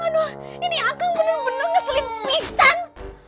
aduh ini akang bener bener ngeselin pisang